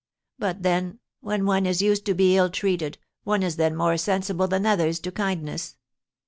But, then, when one is used to be ill treated, one is then more sensible than others to kindness."